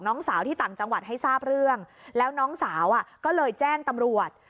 น้องสาวที่ต่างจังหวัดให้ทราบเรื่องแล้วน้องสาวอ่ะก็เลยแจ้งตำรวจ